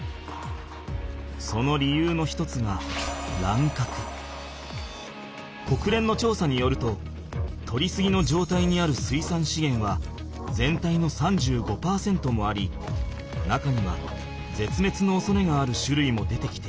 その理由の一つがこくれんのちょうさによるととりすぎの状態にある水産資源は全体の３５％もあり中にはぜつめつのおそれがあるしゅるいも出てきている。